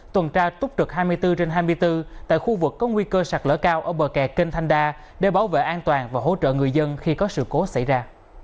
tuần tra túc trực hai mươi bốn trên hai mươi bốn tại khu vực có nguy cơ sạt lở cao ở bờ kè kênh thanh đa để bảo vệ an toàn và hỗ trợ người dân khi có sự cố xảy ra